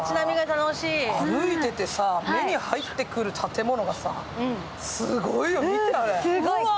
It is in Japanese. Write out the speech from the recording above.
歩いてて、目に入ってくる建物がすごいよね、何あれ。